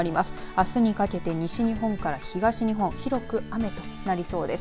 あすにかけて西日本から東日本広く雨となりそうです。